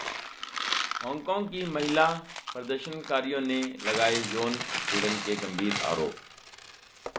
Hong Kong की महिला प्रदर्शनकारियों ने लगाए यौन उत्पीड़न के गंभीर आरोप